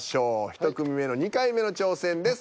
１組目の２回目の挑戦です。